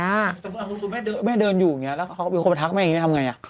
แต่เมื่อคุณสุดแม่เดินอยู่อย่างนี้แล้วเขาก็มีคนมาทักแม่อย่างนี้